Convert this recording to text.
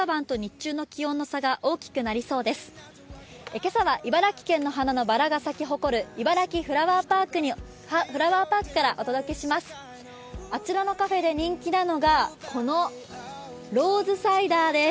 今朝は茨城県の花のバラが咲き誇るいばらきフラワーパークからお届けします。